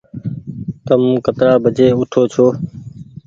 تم ڪترآ بجي اوٺو ڇو ۔